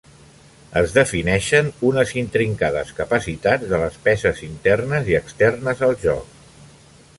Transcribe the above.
Es defineixen unes intricades capacitats de les peces internes i externes al joc.